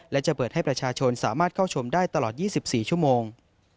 และจะเปิดให้ประชาชนสามารถเข้าชมได้ตลอด๒๔ชั่วโมง